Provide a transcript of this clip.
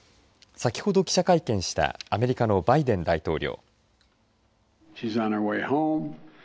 先ほど記者会見したアメリカのバイデン大統領。